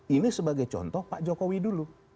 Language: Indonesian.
ini sebagai contoh pak jokowi dulu